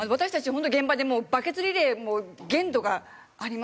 ホントに現場でもうバケツリレーも限度があります。